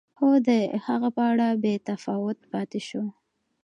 خو د هغه په اړه بې تفاوت پاتې شو.